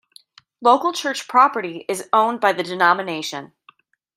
Local church property is owned by the denomination.